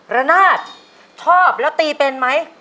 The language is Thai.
ระนาดชอบแล้วตีเป็นไหม